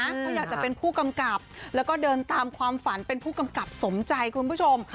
เพราะอยากจะเป็นผู้กำกับแล้วก็เดินตามความฝันเป็นผู้กำกับสมใจคุณผู้ชม